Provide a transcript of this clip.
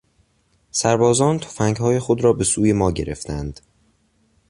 سربازان تفنگهای خود را به سوی ما گرفتند.